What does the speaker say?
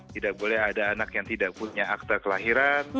tidak boleh ada anak yang tidak punya akta kelahiran